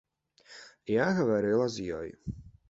Я гаварыла з ёй.